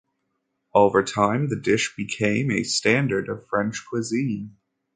Over time, the dish became a standard of French cuisine.